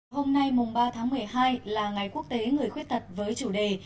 hôm nay mùng ba tháng một mươi hai là ngày quốc tế người khuyết tật với chủ đề